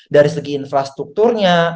dari segi infrastrukturnya